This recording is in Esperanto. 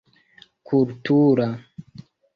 kultura